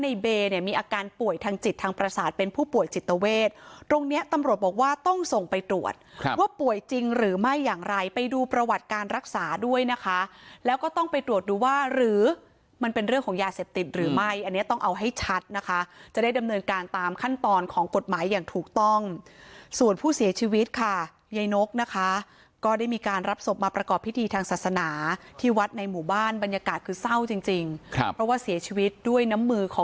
ในเบียนมีอาการป่วยทางจิตทางประสาทเป็นผู้ป่วยจิตเวทตรงนี้ตำรวจบอกว่าต้องส่งไปตรวจว่าป่วยจริงหรือไม่อย่างไรไปดูประวัติการรักษาด้วยนะคะแล้วก็ต้องไปตรวจดูว่าหรือมันเป็นเรื่องของยาเสพติดหรือไม่อันเนี้ยต้องเอาให้ชัดนะคะจะได้ดำเนินการตามขั้นตอนของกฎหมายอย่างถูกต้องส่วนผู้เสียชีวิตค่